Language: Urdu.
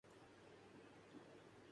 تو انہیں حیرت ہو تی ہے۔